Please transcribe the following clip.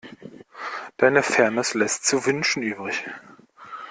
Deine Fairness lässt zu wünschen übrig.